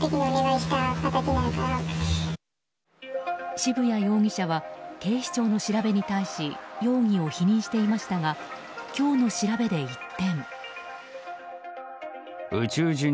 渋谷容疑者は警視庁の調べに対し容疑を否認していましたが今日の調べで一転。